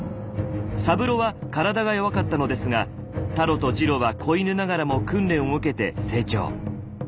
サブロは体が弱かったのですがタロとジロは子犬ながらも訓練を受けて成長。